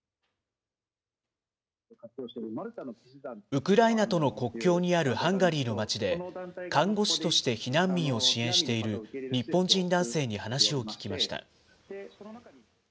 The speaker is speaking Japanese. ウクライナとの国境にあるハンガリーの町で、看護師として避難民を支援している日本人男性に話を聞きました。